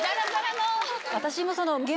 私も。